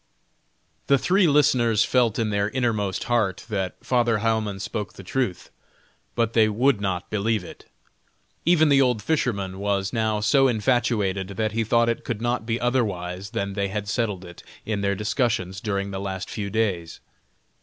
The three listeners felt in their innermost heart that Father Heilmann spoke the truth, but they would not believe it. Even the old fisherman was now so infatuated that he thought it could not be otherwise than they had settled it in their discussions during the last few days.